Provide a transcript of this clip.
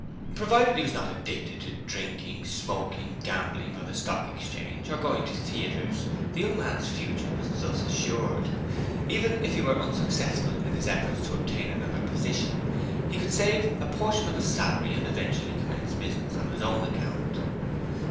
Provided he was not addicted to drinking, smoking, gambling or the Stock Exchange, or going to theatres, the young man's future was thus assured. Even if he were unsuccessful in his efforts to obtain another position he could save a portion of his salary and eventually commence business on his own account.